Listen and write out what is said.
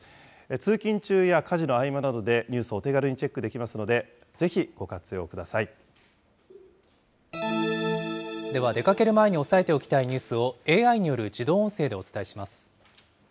通勤中や家事の合間などで、ニュースをお手軽にチェックできますでは、出かける前に押さえておきたいニュースをＡＩによる自動音声でお伝えします。